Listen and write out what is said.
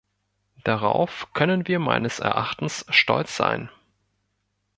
Darauf können wir meines Erachtens stolz sein.